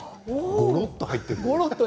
ごろっと入っている。